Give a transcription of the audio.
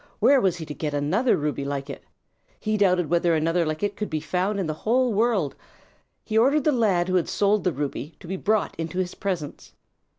Where was he to get another ruby like it? He doubted whether another like it could be found in the whole world. He ordered the lad who had sold the ruby, to be brought into his presence.